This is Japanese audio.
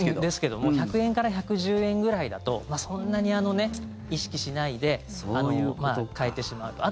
ですけども１００円から１１０円ぐらいだとそんなに意識しないで買えてしまう。